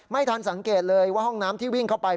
ไม่ทันสังเกตเลยว่าห้องน้ำที่วิ่งเข้าไป